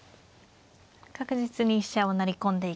確実に飛車を成り込んでいく。